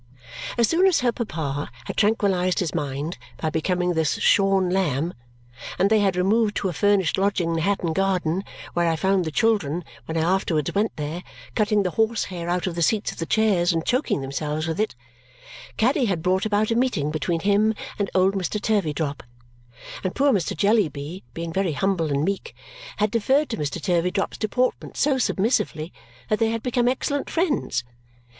As soon as her papa had tranquillized his mind by becoming this shorn lamb, and they had removed to a furnished lodging in Hatton Garden (where I found the children, when I afterwards went there, cutting the horse hair out of the seats of the chairs and choking themselves with it), Caddy had brought about a meeting between him and old Mr. Turveydrop; and poor Mr. Jellyby, being very humble and meek, had deferred to Mr. Turveydrop's deportment so submissively that they had become excellent friends.